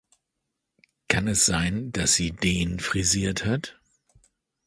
Kann es sein, das sie den frisiert hat?